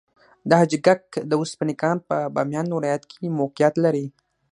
د حاجي ګک د وسپنې کان په بامیان ولایت کې موقعیت لري.